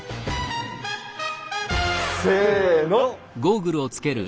せの！